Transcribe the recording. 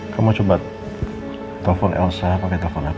kamu coba telepon elsa pakai telepon aku